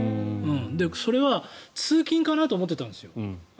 それは通勤かなと思ってたんですよ。